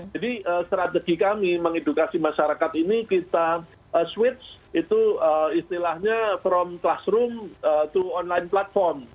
jadi strategi kami mengedukasi masyarakat ini kita switch itu istilahnya from classroom to online platform